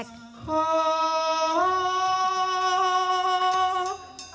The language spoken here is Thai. ต้องรำเพลงไว้ครูก่อนเป็นเพลงแรก